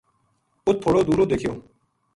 اُت تھوڑو دُوروں دیکھیو